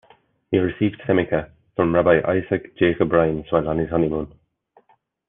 He received "semikhah" from Rabbi Isaac Jacob Reines while on his honeymoon.